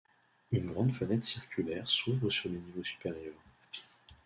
Une grande fenêtre circulaire s'ouvre sur le niveau supérieur.